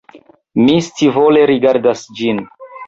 Mi scivole rigardas ĝin.